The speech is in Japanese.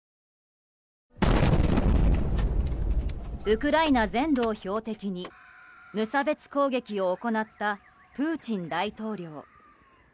ウクライナ全土を標的に無差別攻撃を行ったプーチン大統領。